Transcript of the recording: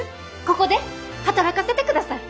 ここで働かせてください。